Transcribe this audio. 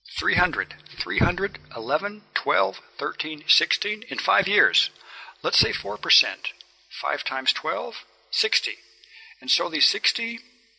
"Three hundred three hundred eleven twelve thirteen sixteen in five years! Let's say four per cent five times twelve sixty, and on these sixty